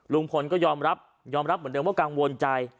ลุงพลก็ยอมรับยอมรับเหมือนเดิมว่ากังวลใจ